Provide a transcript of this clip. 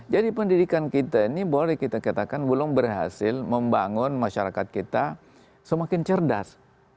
jadi pendidikan kita ini boleh kita katakan belum berhasil membangun masyarakat kita semakin cerdas